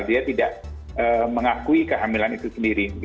dia tidak mengakui kehamilan itu sendiri